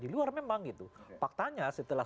di luar memang gitu faktanya setelah